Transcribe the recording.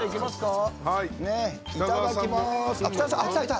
いただきます。